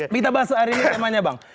kita bahas hari ini temanya bang